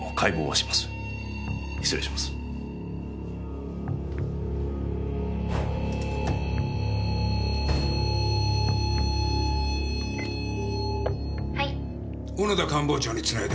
「はい」